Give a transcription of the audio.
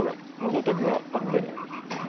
光沢があって。